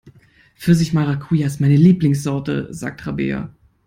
Pfirsich-Maracuja ist meine Lieblingssorte, sagt Rabea.